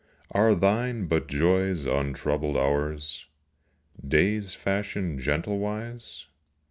Are thine but Joy's untroubled hours Days fashioned gentlewise?